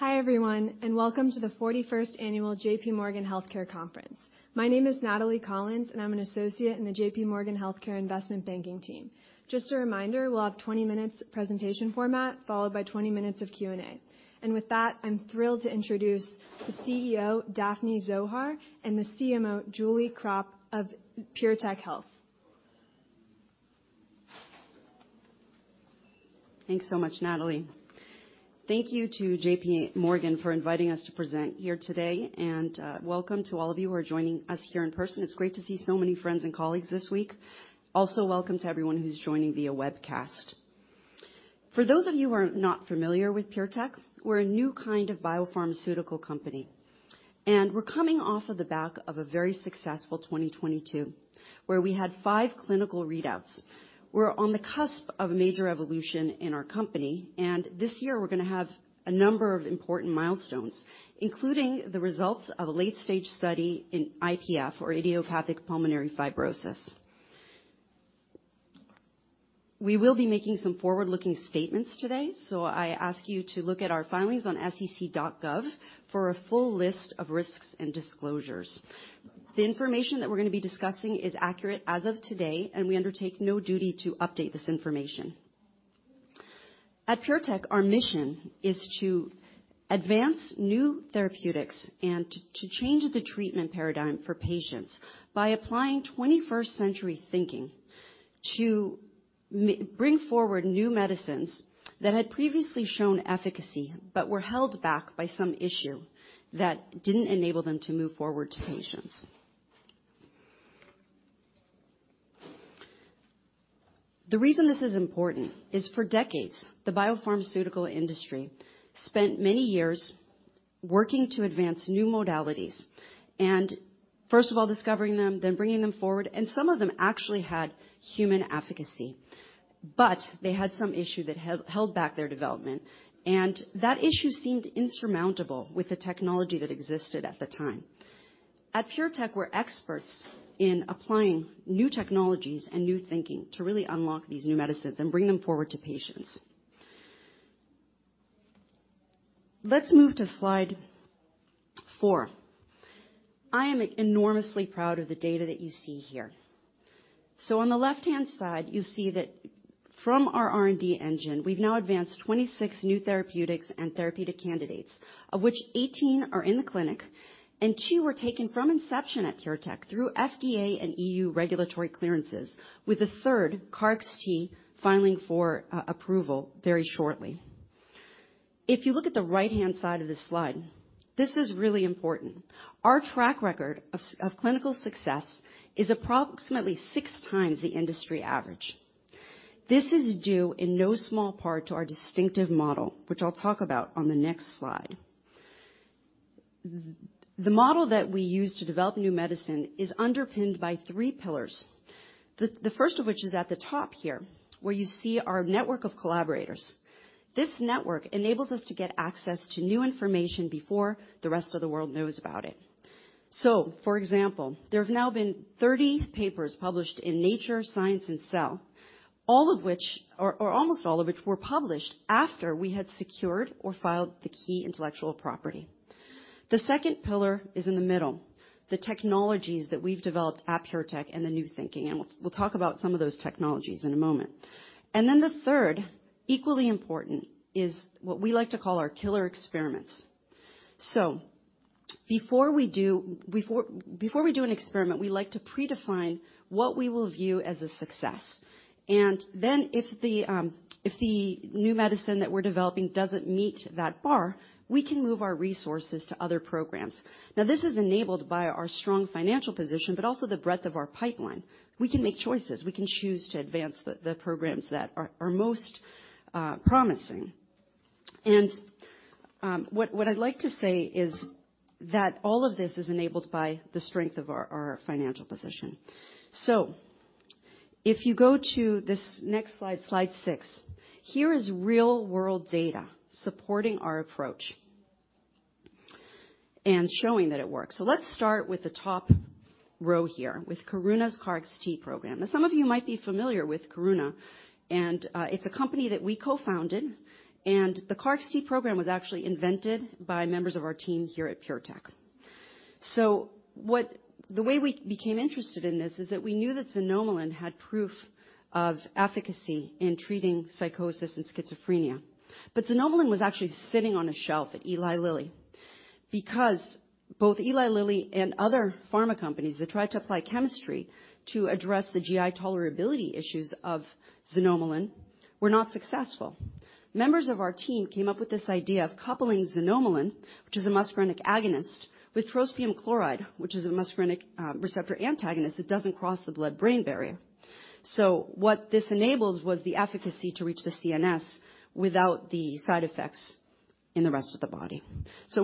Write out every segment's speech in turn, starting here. Hi, everyone, and welcome to the 41st annual JPMorgan Healthcare Conference. My name is Natalie Collins, and I'm an associate in the JPMorgan Healthcare investment banking team. Just a reminder, we'll have 20 minutes presentation format followed by 20 minutes of Q&A. With that, I'm thrilled to introduce the CEO, Daphne Zohar, and the CMO, Julie Krop of PureTech Health. Thanks so much, Natalie. Thank you to JPMorgan for inviting us to present here today. Welcome to all of you who are joining us here in person. It's great to see so many friends and colleagues this week. Welcome to everyone who's joining via webcast. For those of you who are not familiar with PureTech, we're a new kind of biopharmaceutical company, and we're coming off of the back of a very successful 2022, where we had five clinical readouts. We're on the cusp of a major evolution in our company, and this year we're gonna have a number of important milestones, including the results of a late-stage study in IPF or idiopathic pulmonary fibrosis. We will be making some forward-looking statements today. I ask you to look at our filings on sec.gov for a full list of risks and disclosures. The information that we're gonna be discussing is accurate as of today. We undertake no duty to update this information. At PureTech, our mission is to advance new therapeutics and to change the treatment paradigm for patients by applying 21st century thinking to bring forward new medicines that had previously shown efficacy but were held back by some issue that didn't enable them to move forward to patients. The reason this is important is for decades, the biopharmaceutical industry spent many years working to advance new modalities and first of all, discovering them, then bringing them forward, and some of them actually had human efficacy. They had some issue that held back their development, and that issue seemed insurmountable with the technology that existed at the time. At PureTech, we're experts in applying new technologies and new thinking to really unlock these new medicines and bring them forward to patients. Let's move to slide four. I am enormously proud of the data that you see here. On the left-hand side, you see that from our R&D engine, we've now advanced 26 new therapeutics and therapeutic candidates, of which 18 are in the clinic, and two were taken from inception at PureTech through FDA and EU regulatory clearances with a third, KarXT, filing for approval very shortly. If you look at the right-hand side of this slide, this is really important. Our track record of clinical success is approximately six times the industry average. This is due in no small part to our distinctive model, which I'll talk about on the next slide. The model that we use to develop new medicine is underpinned by three pillars. The first of which is at the top here, where you see our network of collaborators. This network enables us to get access to new information before the rest of the world knows about it. For example, there have now been 30 papers published in Nature, Science, and Cell, all of which or almost all of which were published after we had secured or filed the key intellectual property. The second pillar is in the middle, the technologies that we've developed at PureTech and the new thinking, and we'll talk about some of those technologies in a moment. The third, equally important, is what we like to call our killer experiments. Before we do an experiment, we like to predefine what we will view as a success. If the new medicine that we're developing doesn't meet that bar, we can move our resources to other programs. Now, this is enabled by our strong financial position, but also the breadth of our pipeline. We can make choices. We can choose to advance the programs that are most promising. What I'd like to say is that all of this is enabled by the strength of our financial position. If you go to this next slide six, here is real-world data supporting our approach and showing that it works. Let's start with the top row here, with Karuna's KarXT program. Some of you might be familiar with Karuna, it's a company that we co-founded, and the KarXT program was actually invented by members of our team here at PureTech. The way we became interested in this is that we knew that xanomeline had proof of efficacy in treating psychosis and schizophrenia. Xanomeline was actually sitting on a shelf at Eli Lilly because both Eli Lilly and other pharma companies that tried to apply chemistry to address the GI tolerability issues of xanomeline were not successful. Members of our team came up with this idea of coupling xanomeline, which is a muscarinic agonist, with trospium chloride, which is a muscarinic receptor antagonist that doesn't cross the blood-brain barrier. What this enables was the efficacy to reach the CNS without the side effects in the rest of the body.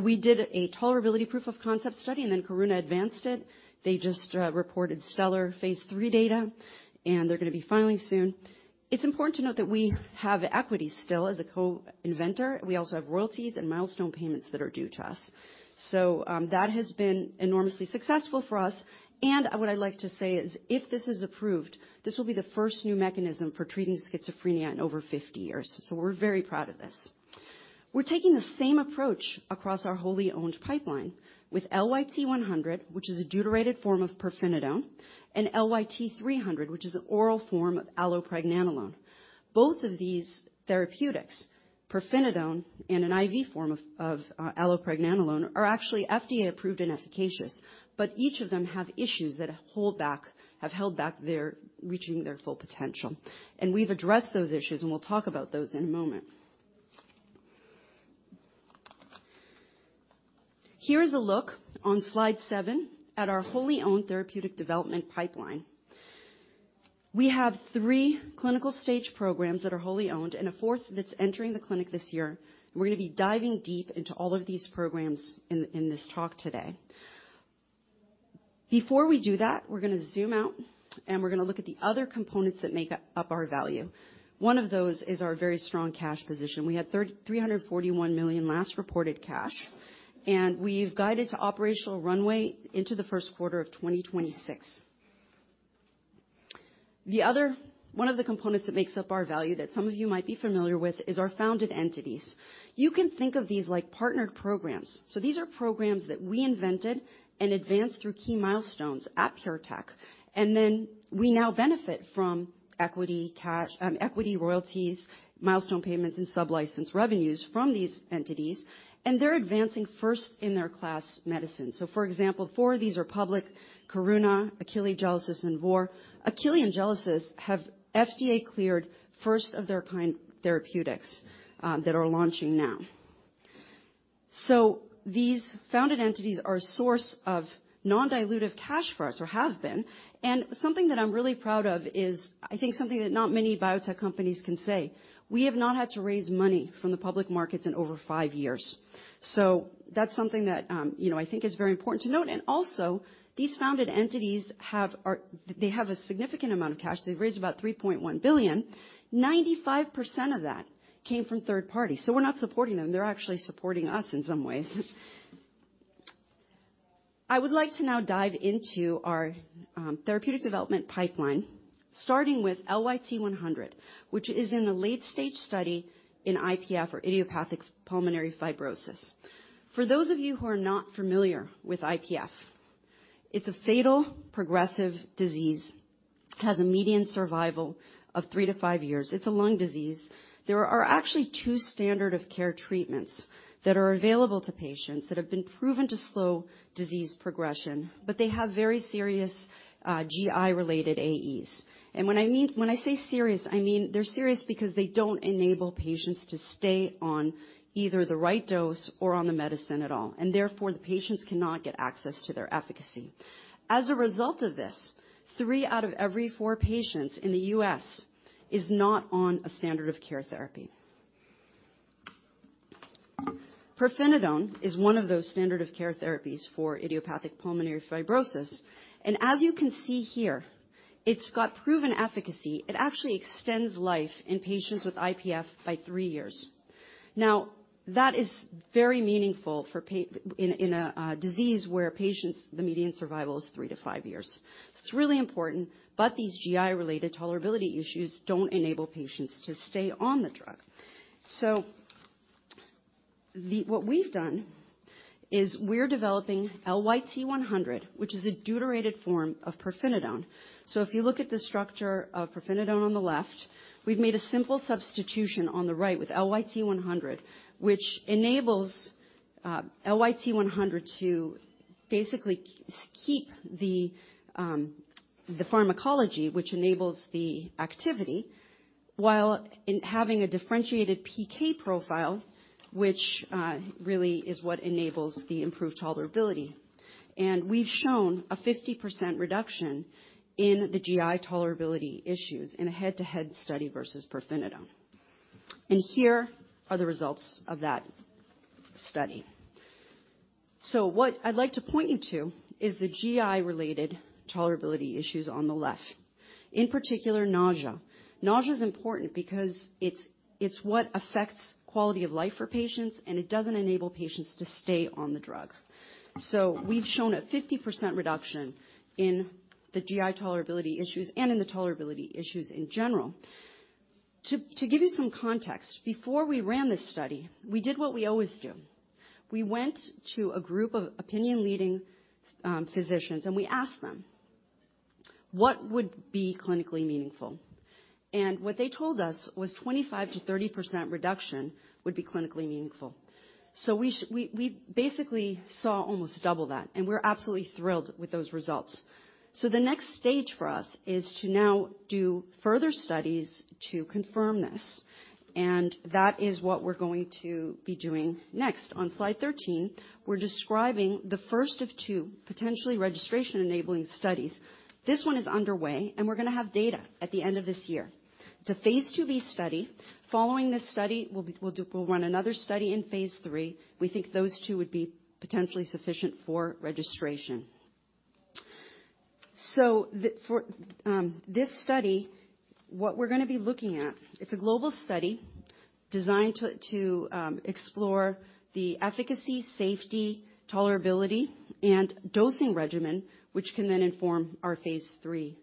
We did a tolerability proof of concept study. Karuna advanced it. They just reported stellar phase III data, and they're gonna be filing soon. It's important to note that we have equity still as a co-inventor. We also have royalties and milestone payments that are due to us. That has been enormously successful for us, and what I'd like to say is if this is approved, this will be the first new mechanism for treating schizophrenia in over 50 years. We're very proud of this. We're taking the same approach across our wholly owned pipeline with LYT-100, which is a deuterated form of pirfenidone, and LYT-300, which is an oral form of allopregnanolone. Both of these therapeutics, pirfenidone and an IV form of allopregnanolone, are actually FDA approved and efficacious, but each of them have issues that have held back their reaching their full potential. We've addressed those issues, and we'll talk about those in a moment. Here is a look on slide seven at our wholly owned therapeutic development pipeline. We have three clinical stage programs that are wholly owned, and a fourth that's entering the clinic this year. We're gonna be diving deep into all of these programs in this talk today. Before we do that, we're gonna zoom out, and we're gonna look at the other components that make up our value. One of those is our very strong cash position. We had $341 million last reported cash, we've guided to operational runway into the first quarter of 2026. One of the components that makes up our value that some of you might be familiar with is our founded entities. You can think of these like partnered programs. These are programs that we invented and advanced through key milestones at PureTech, we now benefit from equity cash, equity royalties, milestone payments, and sub-license revenues from these entities, they're advancing first-in-their-class medicines. For example, four of these are public, Karuna, Akili, Gelesis, and Vor. Akili and Gelesis have FDA-cleared first-of-their-kind therapeutics that are launching now. These founded entities are a source of non-dilutive cash for us or have been, and something that I'm really proud of is, I think something that not many biotech companies can say, we have not had to raise money from the public markets in over five years. That's something that, you know, I think is very important to note. Also, these founded entities they have a significant amount of cash. They've raised about $3.1 billion. 95% of that came from third party. We're not supporting them. They're actually supporting us in some ways. I would like to now dive into our therapeutic development pipeline, starting with LYT-100, which is in a late-stage study in IPF or idiopathic pulmonary fibrosis. For those of you who are not familiar with IPF, it's a fatal progressive disease, has a median survival of three to five years. It's a lung disease. There are actually two standard of care treatments that are available to patients that have been proven to slow disease progression. They have very serious GI-related AEs. When I say serious, I mean they're serious because they don't enable patients to stay on either the right dose or on the medicine at all, and therefore, the patients cannot get access to their efficacy. As a result of this, three out of every four patients in the U.S. is not on a standard of care therapy. Pirfenidone is one of those standard of care therapies for idiopathic pulmonary fibrosis. As you can see here, it's got proven efficacy. It actually extends life in patients with IPF by three years. That is very meaningful in a disease where patients, the median survival is three to five years. It's really important, but these GI-related tolerability issues don't enable patients to stay on the drug. What we've done is we're developing LYT-100, which is a deuterated form of pirfenidone. If you look at the structure of pirfenidone on the left, we've made a simple substitution on the right with LYT-100, which enables LYT-100 to basically keep the pharmacology which enables the activity, while in having a differentiated PK profile, which really is what enables the improved tolerability. We've shown a 50% reduction in the GI tolerability issues in a head-to-head study versus pirfenidone. Here are the results of that study. What I'd like to point you to is the GI-related tolerability issues on the left, in particular, nausea. Nausea is important because it's what affects quality of life for patients, and it doesn't enable patients to stay on the drug. We've shown a 50% reduction in the GI tolerability issues and in the tolerability issues in general. To give you some context, before we ran this study, we did what we always do. We went to a group of opinion leading physicians, and we asked them, "What would be clinically meaningful?" What they told us was 25%-30% reduction would be clinically meaningful. We basically saw almost double that, and we're absolutely thrilled with those results. The next stage for us is to now do further studies to confirm this, and that is what we're going to be doing next. On slide 13, we're describing the first of two potentially registration-enabling studies. This one is underway, and we're going to have data at the end of this year. It's a phase IIb study. Following this study, we'll run another study in phase III. We think those two would be potentially sufficient for registration. For this study, what we're going to be looking at, it's a global study designed to explore the efficacy, safety, tolerability, and dosing regimen, which can then inform our phase III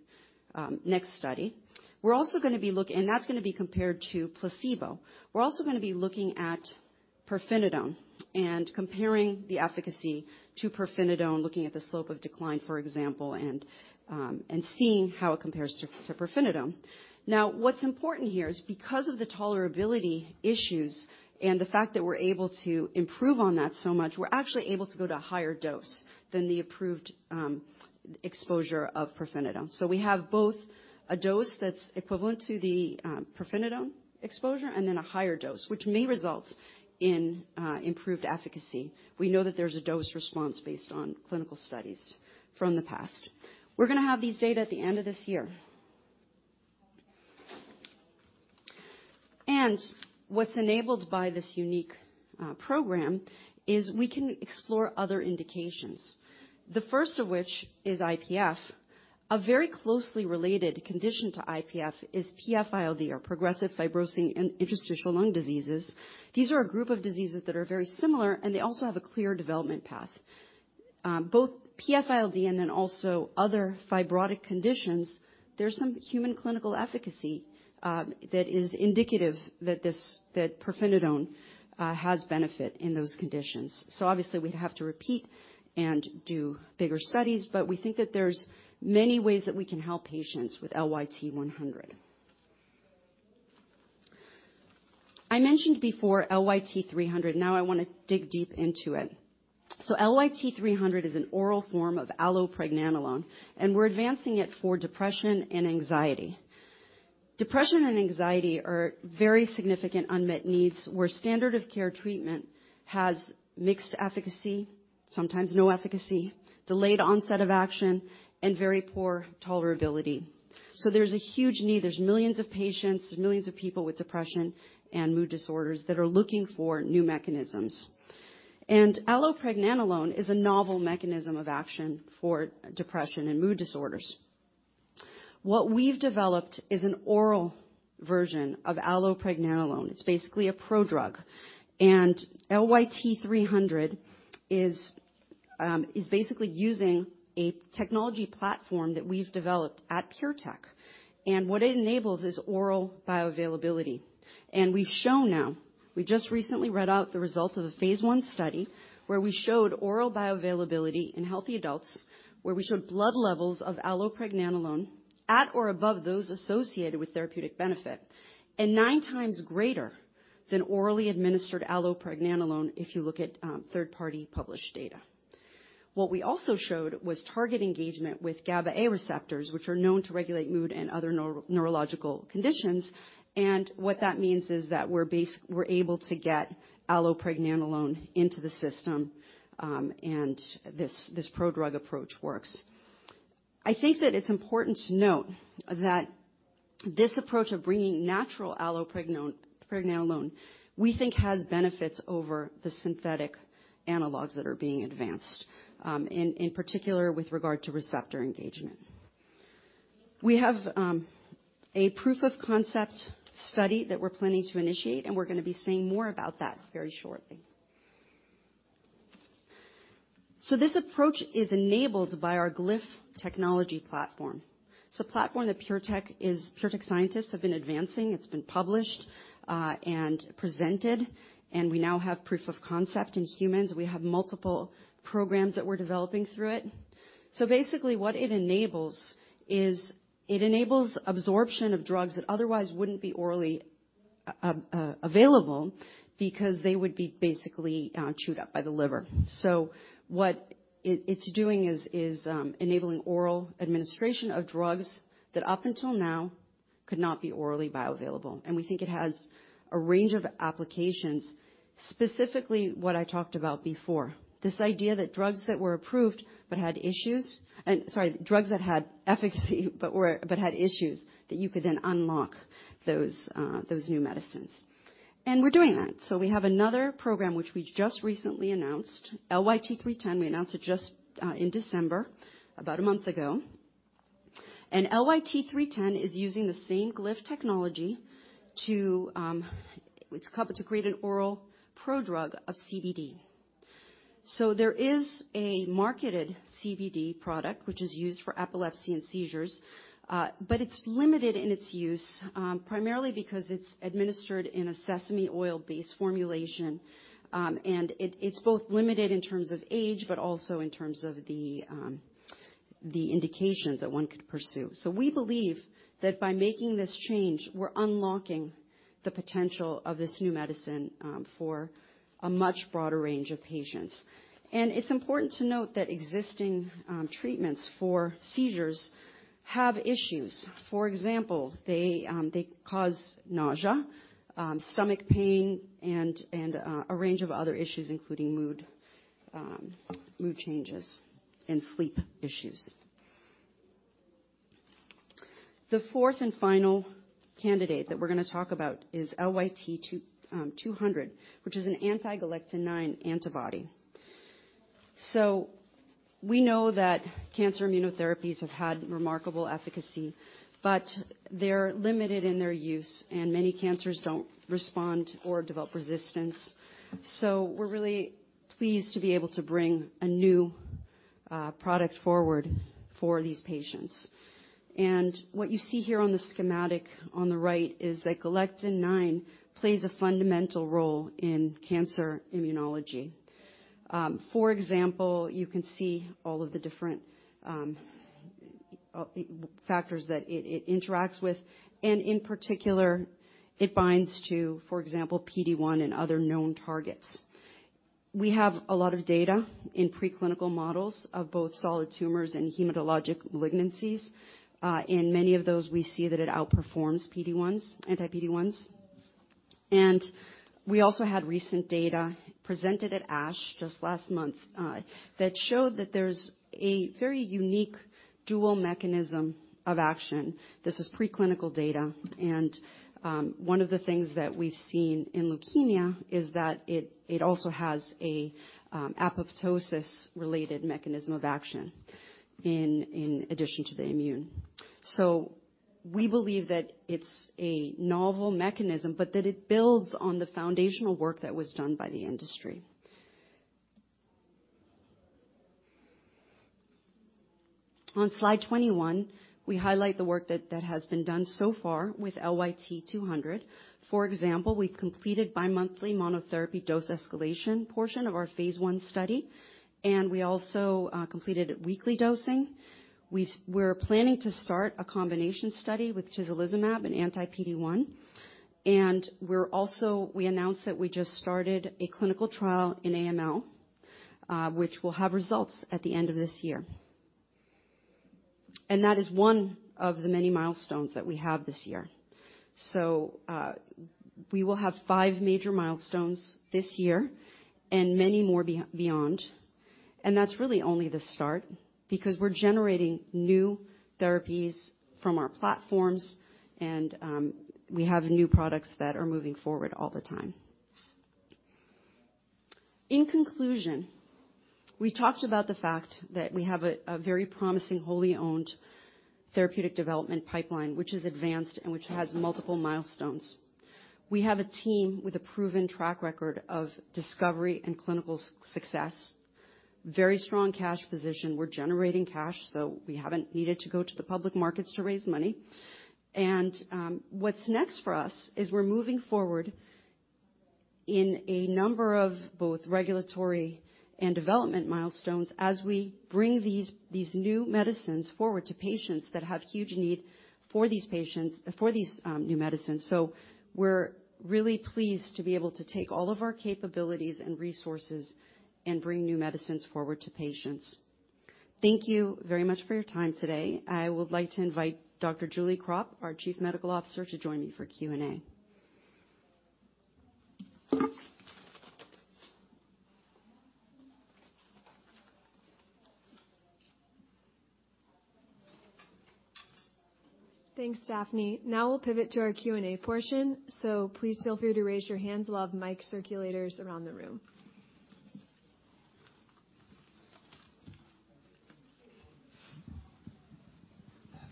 next study. We're also going to be. That's going to be compared to placebo. We're also gonna be looking at pirfenidone and comparing the efficacy to pirfenidone, looking at the slope of decline, for example, and seeing how it compares to pirfenidone. What's important here is because of the tolerability issues and the fact that we're able to improve on that so much, we're actually able to go to a higher dose than the approved exposure of pirfenidone. We have both a dose that's equivalent to the pirfenidone exposure and then a higher dose, which may result in improved efficacy. We know that there's a dose response based on clinical studies from the past. We're gonna have these data at the end of this year. What's enabled by this unique program is we can explore other indications. The first of which is IPF. A very closely related condition to IPF is PF-ILD, or progressive fibrosing and interstitial lung diseases. These are a group of diseases that are very similar, and they also have a clear development path. Both PF-ILD and then also other fibrotic conditions, there's some human clinical efficacy that is indicative that pirfenidone has benefit in those conditions. Obviously, we'd have to repeat and do bigger studies, but we think that there's many ways that we can help patients with LYT-100. I mentioned before LYT-300. Now I wanna dig deep into it. LYT-300 is an oral form of allopregnanolone, and we're advancing it for depression and anxiety. Depression and anxiety are very significant unmet needs, where standard of care treatment has mixed efficacy, sometimes no efficacy, delayed onset of action, and very poor tolerability. There's a huge need. There's millions of patients, there's millions of people with depression and mood disorders that are looking for new mechanisms. Allopregnanolone is a novel mechanism of action for depression and mood disorders. What we've developed is an oral version of allopregnanolone. It's basically a prodrug. LYT-300 is basically using a technology platform that we've developed at PureTech, and what it enables is oral bioavailability. We've shown now, we just recently read out the results of a phase I study, where we showed oral bioavailability in healthy adults, where we showed blood levels of allopregnanolone at or above those associated with therapeutic benefit, and nine times greater than orally administered allopregnanolone if you look at third-party published data. What we also showed was target engagement with GABA-A receptors, which are known to regulate mood and other neurological conditions. What that means is that we're able to get allopregnanolone into the system, and this prodrug approach works. I think that it's important to note that this approach of bringing natural allopregnanolone, we think has benefits over the synthetic analogs that are being advanced, in particular with regard to receptor engagement. We have a proof of concept study that we're planning to initiate, and we're gonna be saying more about that very shortly. This approach is enabled by our Glyph technology platform. It's a platform that PureTech scientists have been advancing. It's been published and presented, and we now have proof of concept in humans. We have multiple programs that we're developing through it. Basically what it enables is it enables absorption of drugs that otherwise wouldn't be orally available because they would be basically chewed up by the liver. What it's doing is enabling oral administration of drugs that up until now could not be orally bioavailable. We think it has a range of applications, specifically what I talked about before. This idea that drugs that were approved but had issues. Sorry, drugs that had efficacy but had issues that you could then unlock those new medicines. We're doing that. We have another program which we just recently announced, LYT-310. We announced it just in December, about a month ago. LYT-310 is using the same Glyph technology to create an oral prodrug of CBD. There is a marketed CBD product which is used for epilepsy and seizures, but it's limited in its use, primarily because it's administered in a sesame oil-based formulation. It's both limited in terms of age, but also in terms of the indications that one could pursue. We believe that by making this change, we're unlocking the potential of this new medicine, for a much broader range of patients. It's important to note that existing treatments for seizures have issues. For example, they cause nausea, stomach pain, and a range of other issues, including mood changes and sleep issues. The fourth and final candidate that we're gonna talk about is LYT-200, which is an anti-galectin-9 antibody. We know that cancer immunotherapies have had remarkable efficacy, but they're limited in their use, and many cancers don't respond or develop resistance. We're really pleased to be able to bring a new product forward for these patients. What you see here on the schematic on the right is that galectin-9 plays a fundamental role in cancer immunology. For example, you can see all of the different factors that it interacts with, and in particular, it binds to, for example, PD-1 and other known targets. We have a lot of data in preclinical models of both solid tumors and hematologic malignancies. In many of those, we see that it outperforms PD-1s, anti-PD-1s. We also had recent data presented at ASH just last month that showed that there's a very unique dual mechanism of action. This is preclinical data, and one of the things that we've seen in leukemia is that it also has a apoptosis-related mechanism of action in addition to the immune. We believe that it's a novel mechanism, but that it builds on the foundational work that was done by the industry. On slide 21, we highlight the work that has been done so far with LYT-200. For example, we've completed bimonthly monotherapy dose escalation portion of our phase I study, and we also completed weekly dosing. We're planning to start a combination study with crizanlizumab, an anti-PD-1. We're also We announced that we just started a clinical trial in AML, which will have results at the end of this year. That is one of the many milestones that we have this year. We will have five major milestones this year and many more beyond. That's really only the start because we're generating new therapies from our platforms, we have new products that are moving forward all the time. In conclusion, we talked about the fact that we have a very promising, wholly owned therapeutic development pipeline, which is advanced and which has multiple milestones. We have a team with a proven track record of discovery and clinical success. Very strong cash position. We're generating cash, so we haven't needed to go to the public markets to raise money. What's next for us is we're moving forward in a number of both regulatory and development milestones as we bring these new medicines forward to patients that have huge need for these patients, for these new medicines. We're really pleased to be able to take all of our capabilities and resources and bring new medicines forward to patients. Thank you very much for your time today. I would like to invite Dr. Julie Krop, our Chief Medical Officer, to join me for Q&A. Thanks, Daphne. Now we'll pivot to our Q&A portion, so please feel free to raise your hands. We'll have mic circulators around the room.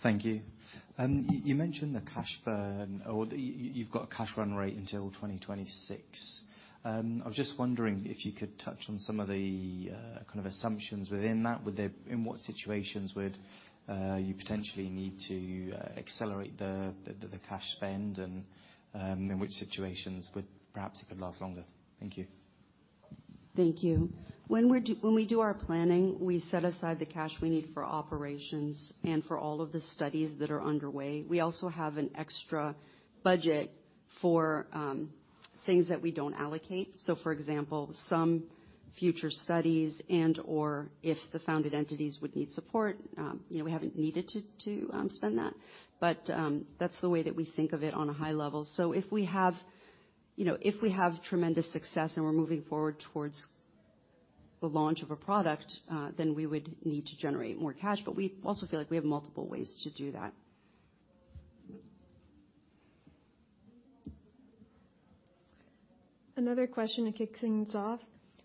Thank you. You mentioned the cash burn or you've got cash burn rate until 2026. I was just wondering if you could touch on some of the kind of assumptions within that. In what situations would you potentially need to accelerate the cash spend, and in which situations would perhaps it could last longer? Thank you. Thank you. When we do our planning, we set aside the cash we need for operations and for all of the studies that are underway. We also have an extra budget for things that we don't allocate. For example, some future studies and/or if the founded entities would need support, you know, we haven't needed to spend that. That's the way that we think of it on a high level. If we have, you know, if we have tremendous success, we're moving forward towards the launch of a product, we would need to generate more cash. We also feel like we have multiple ways to do that. Another question to kick things off.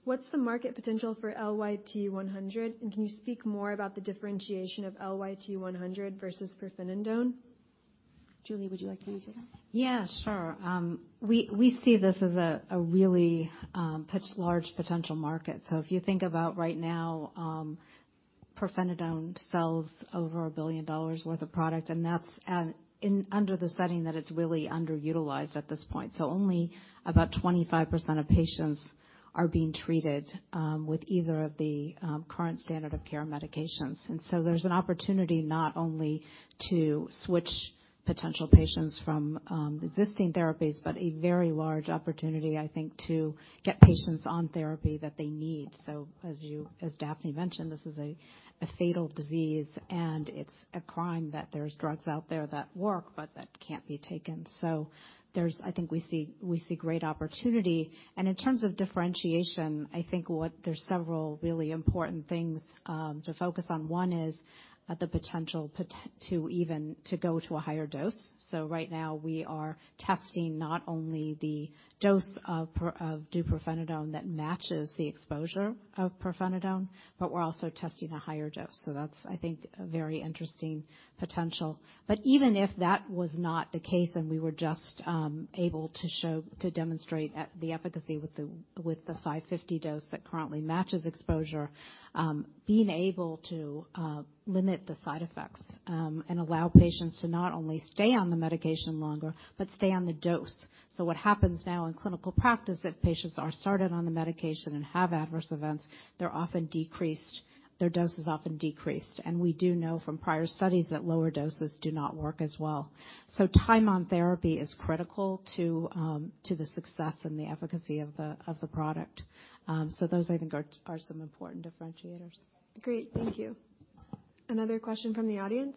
What's the market potential for LYT-100, and can you speak more about the differentiation of LYT-100 versus pirfenidone? Julie, would you like to take that? Yeah, sure. We, we see this as a really large potential market. If you think about right now, pirfenidone sells over $1 billion worth of product, and that's under the setting that it's really underutilized at this point. Only about 25% of patients are being treated with either of the current standard of care medications. There's an opportunity not only to switch potential patients from existing therapies, but a very large opportunity, I think, to get patients on therapy that they need. As Daphne mentioned, this is a fatal disease, and it's a crime that there's drugs out there that work but that can't be taken. I think we see great opportunity. In terms of differentiation, I think what there's several really important things to focus on. One is the potential to even to go to a higher dose. Right now we are testing not only the dose of deupirfenidone that matches the exposure of pirfenidone, but we're also testing a higher dose. That's, I think, a very interesting potential. Even if that was not the case and we were just able to demonstrate at the efficacy with the, with the 550 dose that currently matches exposure, being able to limit the side effects and allow patients to not only stay on the medication longer but stay on the dose. What happens now in clinical practice that patients are started on the medication and have adverse events, they're often decreased, their dose is often decreased. We do know from prior studies that lower doses do not work as well. Time on therapy is critical to the success and the efficacy of the product. Those I think are some important differentiators. Great. Thank you. Another question from the audience.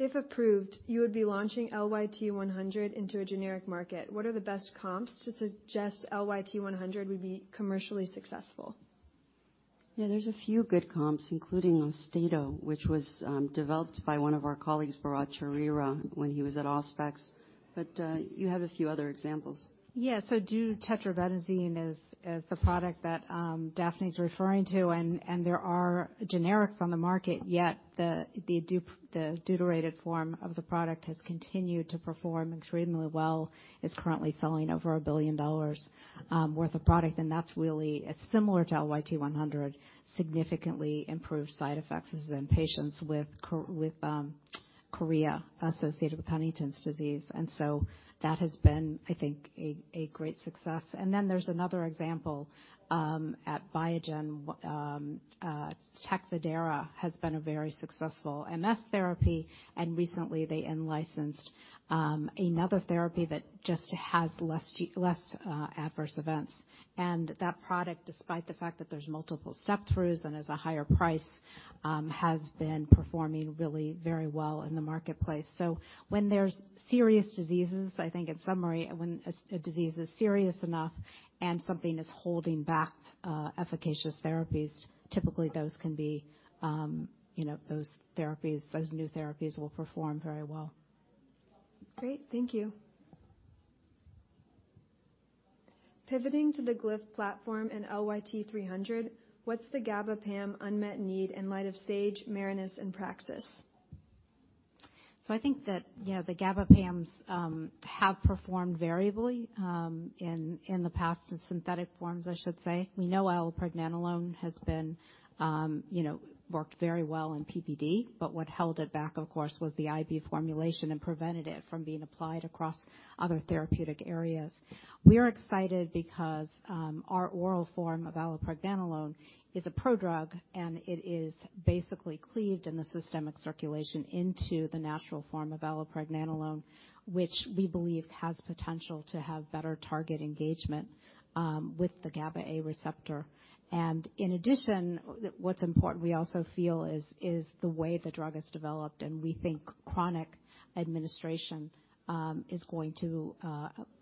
If approved, you would be launching LYT-100 into a generic market. What are the best comps to suggest LYT-100 would be commercially successful? Yeah, there's a few good comps, including Austedo, which was developed by one of our colleagues, Bharatt Chowrira, when he was at Auspex. You have a few other examples. Yeah. Deutetrabenazine is the product that Daphne is referring to. There are generics on the market, yet the deuterated form of the product has continued to perform extremely well. It's currently selling over $1 billion worth of product, and that's really similar to LYT-100, significantly improved side effects in patients with chorea associated with Huntington's disease. That has been, I think, a great success. There's another example at Biogen. Tecfidera has been a very successful MS therapy, and recently they in-licensed another therapy that just has less adverse events. That product, despite the fact that there's multiple sep-throughs and has a higher price, has been performing really very well in the marketplace. When there's serious diseases, I think in summary, when a disease is serious enough and something is holding back, efficacious therapies, typically those can be, you know, those new therapies will perform very well. Great. Thank you. Pivoting to the Glyph platform and LYT-300, what's the Gabapentin unmet need in light of Sage, Marinus and Praxis? I think that, you know, the Gabapentin have performed variably in the past, in synthetic forms, I should say. We know allopregnanolone has been, you know, worked very well in PPD, but what held it back, of course, was the IV formulation and prevented it from being applied across other therapeutic areas. We are excited because our oral form of allopregnanolone is a prodrug, and it is basically cleaved in the systemic circulation into the natural form of allopregnanolone, which we believe has potential to have better target engagement with the GABA-A receptor. In addition, what's important, we also feel is the way the drug is developed. We think chronic administration is going to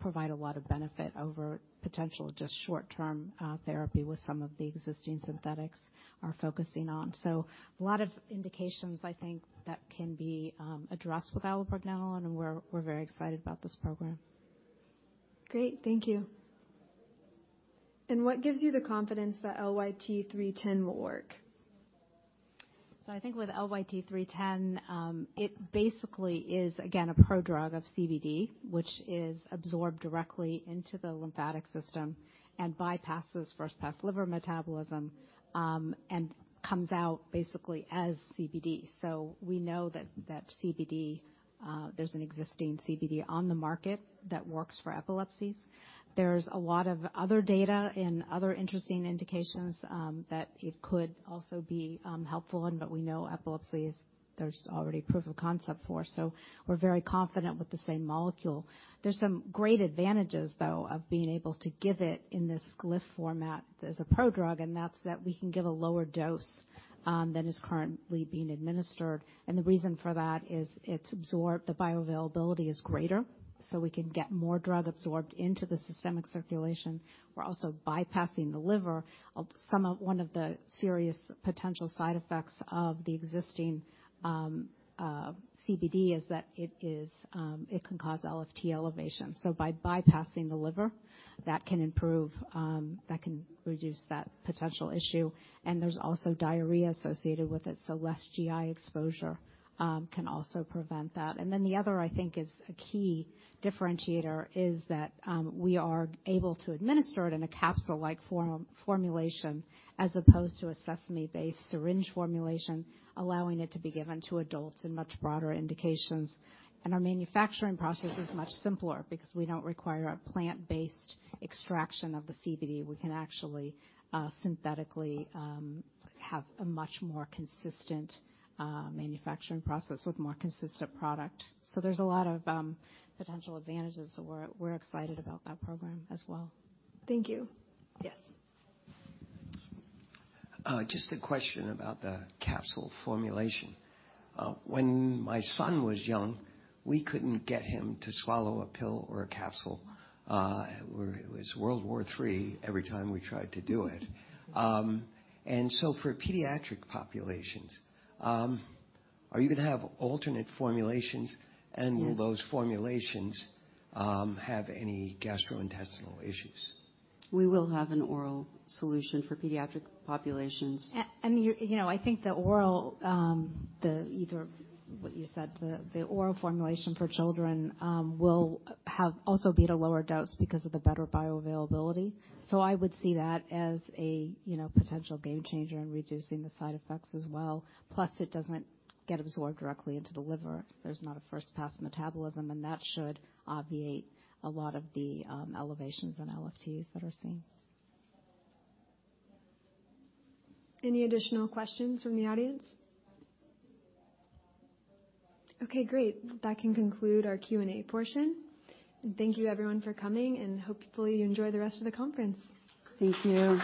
provide a lot of benefit over potential just short-term therapy with some of the existing synthetics are focusing on. A lot of indications, I think that can be addressed with allopregnanolone, and we're very excited about this program. Great. Thank you. What gives you the confidence that LYT-310 will work? I think with LYT-310, it basically is again, a prodrug of CBD, which is absorbed directly into the lymphatic system and bypasses first-pass liver metabolism, and comes out basically as CBD. We know that CBD, there's an existing CBD on the market that works for epilepsies. There's a lot of other data and other interesting indications that it could also be helpful in, but we know epilepsies, there's already proof of concept for. We're very confident with the same molecule. There's some great advantages, though, of being able to give it in this Glyph format as a prodrug, and that's that we can give a lower dose than is currently being administered. The reason for that is it's absorbed, the bioavailability is greater, so we can get more drug absorbed into the systemic circulation. We're also bypassing the liver. One of the serious potential side effects of the existing CBD is that it is, it can cause LFT elevation. By bypassing the liver, that can improve, that can reduce that potential issue. There's also diarrhea associated with it, so less GI exposure can also prevent that. The other, I think is a key differentiator is that we are able to administer it in a capsule-like formulation as opposed to a sesame-based syringe formulation, allowing it to be given to adults in much broader indications. Our manufacturing process is much simpler because we don't require a plant-based extraction of the CBD. We can actually, synthetically, have a much more consistent manufacturing process with more consistent product. There's a lot of potential advantages. We're excited about that program as well. Thank you. Yes. Just a question about the capsule formulation. When my son was young, we couldn't get him to swallow a pill or a capsule. It was World War III every time we tried to do it. For pediatric populations, are you going to have alternate formulations? Yes. Will those formulations have any gastrointestinal issues? We will have an oral solution for pediatric populations. You know, I think the oral formulation for children will have also be at a lower dose because of the better bioavailability. I would see that as a, you know, potential game changer in reducing the side effects as well. Plus, it doesn't get absorbed directly into the liver. There's not a first-pass metabolism, and that should obviate a lot of the elevations in LFTs that are seen. Any additional questions from the audience? Okay, great. That can conclude our Q&A portion. Thank you everyone for coming, and hopefully you enjoy the rest of the conference. Thank you.